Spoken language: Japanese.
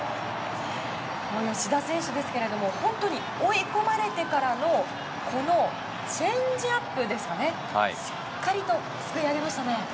吉田選手ですけれども本当に、追い込まれてからチェンジアップをしっかりとすくい上げましたね。